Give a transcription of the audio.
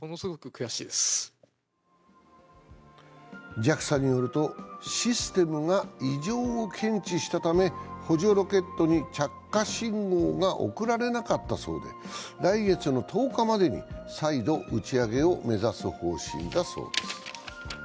ＪＡＸＡによると、システムが異常を検知したため補助ロケットに着火信号が送られなかったそうで、来月１０日までに再度、打ち上げを目指す方針だそうです。